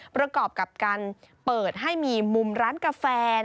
ประกอบกับการเปิดให้มีมุมร้านกาแฟ